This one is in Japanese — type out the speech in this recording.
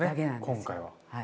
今回は。